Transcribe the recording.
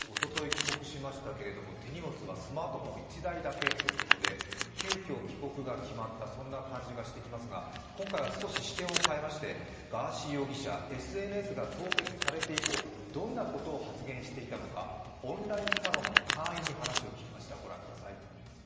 帰国しましたけれども手荷物はスマートフォン１台だけということで、急きょ帰国が決まった、そんな感じがしてきますが今回は少し視点を変えましてガーシー容疑者ＳＮＳが凍結されて以降どんなことを発言していたのかオンラインサロンの会員に話を聴きました。